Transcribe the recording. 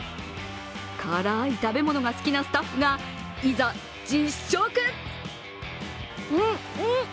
辛い食べ物が好きなスタッフがいざ、実食！